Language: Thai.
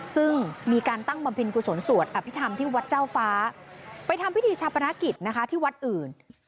ซึ่งมีการตั้งบำเพ็ญกุศลสวดอภิษฐรรมที่วัดเจ้าฟ้าไปทำพิธีชาปนกิจนะคะที่วัดอื่น